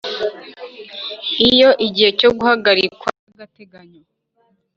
Iyo igihe cyo guhagarikwa by agateganyo